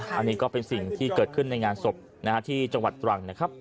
อันนี้ก็เป็นสิ่งที่เกิดขึ้นในงานศพที่จังหวัดตรังนะครับ